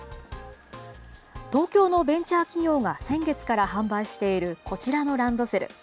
東京のベンチャー企業が先月から販売しているこちらのランドセル。